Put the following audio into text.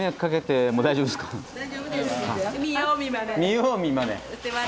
見よう見まね。